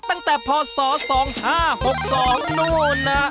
ตั้งแต่พศ๒๕๖๒นู่นนะ